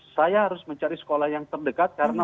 saya harus mencari sekolah yang terdekat karena